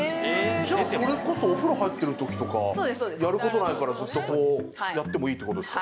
じゃあそれこそお風呂入ってるときとかやることないからずっとこうやってもいいってことですか？